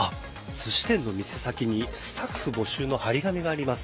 寿司店の店先にスタッフ募集の貼り紙があります。